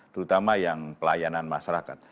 terutama yang pelayanan masyarakat